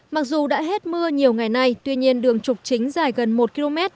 mặc dù đã hết mưa nhiều ngày nay tuy nhiên đường trục chính dài gần một km